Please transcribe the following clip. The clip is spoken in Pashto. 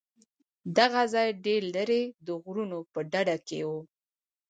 دغه ځاى ډېر لرې د غرونو په ډډه کښې و.